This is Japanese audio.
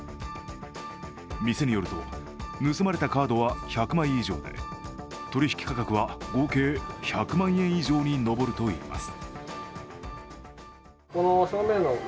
店によると盗まれたカードは１００枚以上で取引価格は合計１００万円以上に上るといいます。